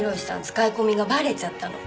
使い込みがバレちゃったの。